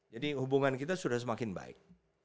jadi hubungan kita sudah semakin baik